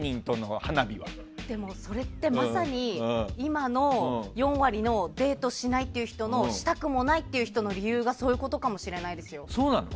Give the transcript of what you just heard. でも、それってまさに今の４割のデートしないって人のしたくもないっていう人の理由がそういうことかもしれないですよ。